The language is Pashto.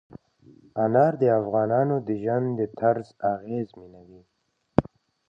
انار د افغانانو د ژوند طرز اغېزمنوي.